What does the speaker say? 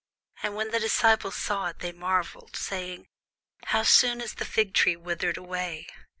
And when the disciples saw it, they marvelled, saying, How soon is the fig tree withered away!